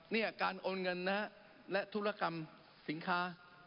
เนี่ยการโอนเงินนะฮะและธุรกรรมสินค้า